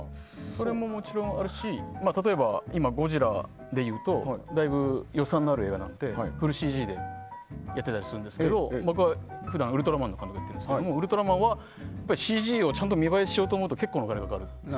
それももちろんあるし例えば、「ゴジラ」でいうとだいぶ予算のある映画なのでフルＣＧでやってたりしますけど僕は普段「ウルトラマン」の監督をやっているんですが「ウルトラマン」はＣＧをちゃんと見栄えするようにしようとすると結構かかる。